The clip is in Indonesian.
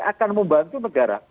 akan membantu negara